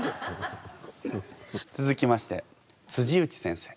続きまして内先生